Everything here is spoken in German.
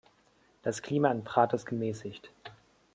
Das Klima in Prad ist gemäßigt.